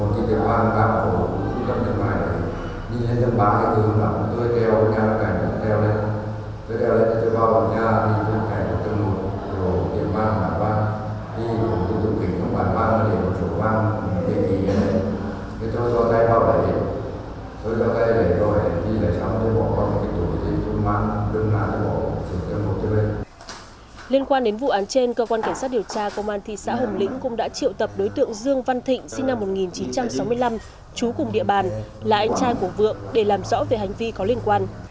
cơ quan cảnh sát điều tra công an thị xã hồng lĩnh cũng đã triệu tập đối tượng dương văn thịnh sinh năm một nghìn chín trăm sáu mươi năm chú cùng địa bàn là anh trai của vượng để làm rõ về hành vi có liên quan